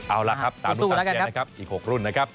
เอาล่ะครับตามรุ่นตามเชียร์นะครับอีก๖รุ่นนะครับ